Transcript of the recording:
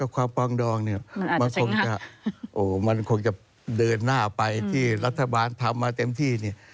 ความปลองดองเนี่ยมันคงจะมันคงจะเดินหน้าไปที่รัฐบาลทำมาเต็มที่เนี่ย